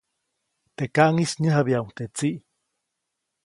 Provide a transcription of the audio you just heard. Te kaʼŋis nyäjabyaʼuŋ teʼ tsiʼ.